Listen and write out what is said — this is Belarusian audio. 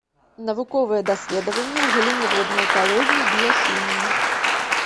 Навуковыя даследаванні ў галіне воднай экалогіі, біяхіміі.